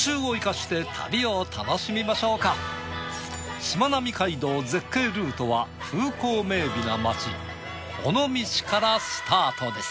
しまなみ海道絶景ルートは風光明美な街尾道からスタートです。